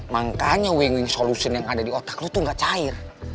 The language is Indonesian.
makanya weng weng solusin yang ada di otak lu tuh gak cair